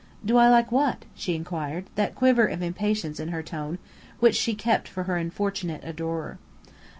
"Do I like what?" she inquired, that quiver of impatience in her tone which she kept for her unfortunate adorer.